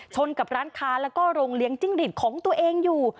กับร้านค้าแล้วก็โรงเลี้ยงจิ้งหลีดของตัวเองอยู่